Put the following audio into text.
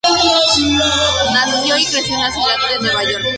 Knight nació y creció en la Ciudad de Nueva York.